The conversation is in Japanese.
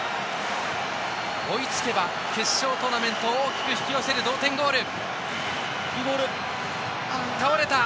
追いつけば、決勝トーナメント大きく引き寄せる同点ゴール。